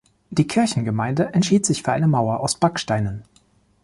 Die Kirchengemeinde entschied sich für eine Mauer aus Backsteinen.